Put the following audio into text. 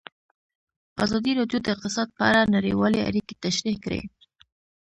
ازادي راډیو د اقتصاد په اړه نړیوالې اړیکې تشریح کړي.